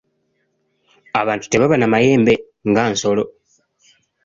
Abantu tebaba na mayembe nga nsolo.